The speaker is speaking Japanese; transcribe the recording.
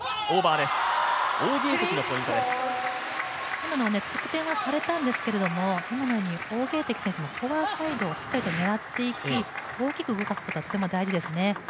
今のも得点はされたんですけれども、今のように王ゲイ迪選手のフォアサイドをしっかりと狙っていき大きく動かしていくことが大事ですね。